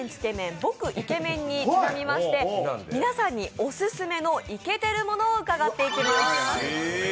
僕イケメン！にちなみまして、皆さんにオススメのイケてるものを伺っていきます。